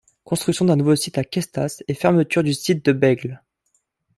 Construction d'un nouveau site à Cestas et fermeture du site de Bègles.